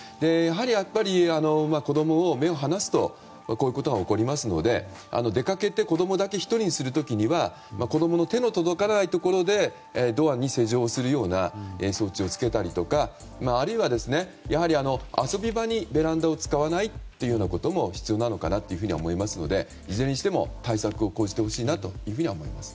やっぱり子供から目を離すとこういうことが起こりますので出かけて子供だけ１人だけにする時には子供の手の届かないところでドアに施錠するような装置をつけたりとか、あるいは遊び場にベランダを使わないことも必要なのかなと思いますのでいずれにしても対策を講じてほしいと思います。